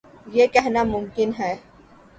یہ کہنا ممکن ہے۔